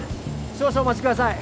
少々お待ちください